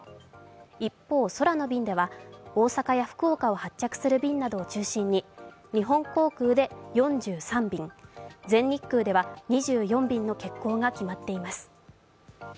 一方、空の便では大阪や福岡を発着する便などを中心に日本航空で４３便、全日空では２４便の欠航が決まっています。